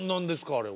あれは。